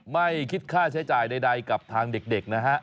ไม่คิดค่าใช้จ่ายใดกับทางเด็กนะฮะ